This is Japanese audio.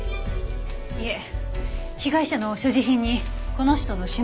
いえ被害者の所持品にこの人の指紋があって。